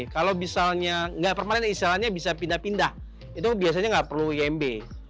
kalau misalnya nggak permanen istilahnya bisa pindah pindah itu biasanya nggak perlu imb